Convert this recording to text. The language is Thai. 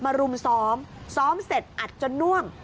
รุมซ้อมซ้อมเสร็จอัดจนน่วม